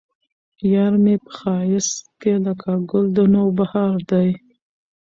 يار مې په ښايست کې لکه ګل د نوبهار دى